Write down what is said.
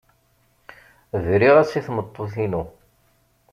Briɣ-as i tmeṭṭut-inu.